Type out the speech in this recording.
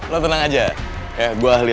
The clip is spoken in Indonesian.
lo tenang aja ya gue ahli